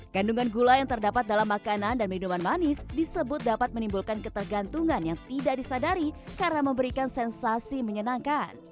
kandungan gula yang terdapat dalam makanan dan minuman manis disebut dapat menimbulkan ketergantungan yang tidak disadari karena memberikan sensasi menyenangkan